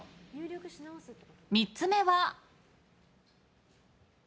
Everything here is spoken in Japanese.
３つ目は。